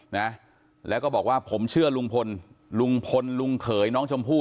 นะแล้วก็บอกว่าผมเชื่อลุงพลลุงพลลุงเขยน้องชมพู่